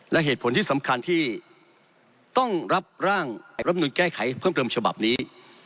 และเหตุผลที่สำคัญที่ต้องรับร่างรับนูลแก้ไขเพิ่มเติมฉบับนี้